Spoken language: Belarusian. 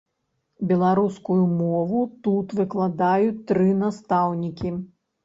Беларускую мову тут выкладаюць тры настаўнікі.